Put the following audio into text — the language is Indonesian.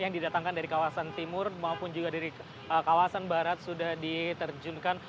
yang didatangkan dari kawasan timur maupun juga dari kawasan barat sudah diterjunkan